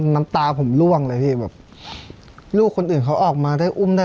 น้ำตาผมล่วงเลยพี่แบบลูกคนอื่นเขาออกมาได้อุ้มได้